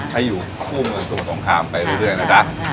ให้อยู่ภูมิสุของคามไปเรื่อยนะจ๊ะ